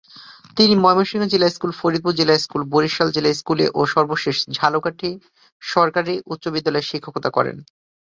তিনি ময়মনসিংহ জিলা স্কুল, ফরিদপুর জিলা স্কুল, বরিশাল জিলা স্কুলে ও সর্বশেষ ঝালকাঠি সরকারী উচ্চ বিদ্যালয়ে শিক্ষকতা করেন।